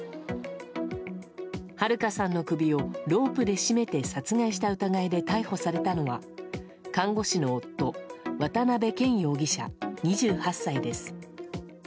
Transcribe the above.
春香さんの首をロープで絞めて殺害した疑いで逮捕されたのは看護師の夫渡辺健容疑者、２８歳です。